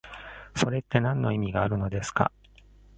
それってなんの意味があるのですか？